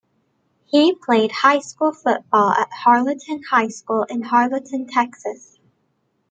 He played high school football at Harleton High School in Harleton, Texas.